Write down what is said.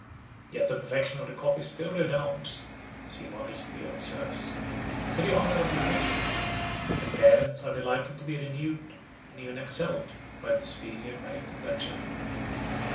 Yet the perfection of the copy still redounds (as he modestly observes) to the honor of the original, and parents are delighted to be renewed, and even excelled, by the superior merit of their children.